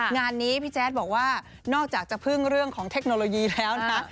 งานนี้พี่แจ๊ดบอกว่านอกจากจะพึ่งเรื่องของเทคโนโลยีแล้วนะ